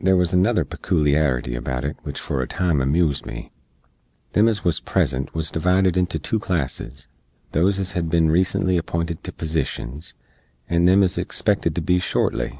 There wuz another pekooliarity about it which for a time amoozed me. Them ez wuz present wuz divided into 2 classes those ez hed bin recently appinted to posishens, and them ez expected to be shortly.